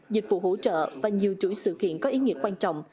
dịch vụ hỗ trợ và nhiều chuỗi sự kiện có ý nghĩa quan trọng